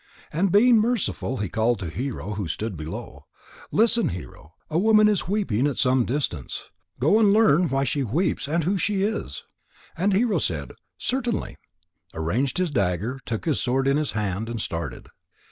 And being merciful, he called to Hero, who stood below: "Listen, Hero. A woman is weeping at some distance. Go and learn why she weeps and who she is." And Hero said "Certainly," arranged his dagger, took his sword in his hand, and started.